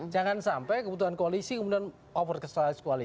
jangan sampai kebutuhan koalisi kemudian over cast